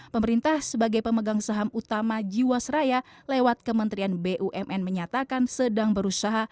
pemerintah sebagai pemegang saham utama jiwasraya lewat kementerian bumn menyatakan sedang berusaha